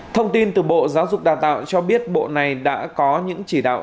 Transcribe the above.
thông tin từ bộ giáo dục đào tạo cho biết bộ này đã có những chỉ đạo